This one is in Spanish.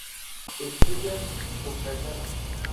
Tetsuya Okayama